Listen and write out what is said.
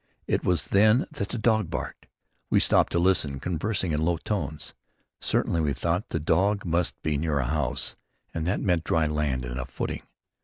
It was then that the dog barked. We stopped to listen, conversing in low tones. Certainly, we thought, the dog must be near a house and that meant dry land and a footing.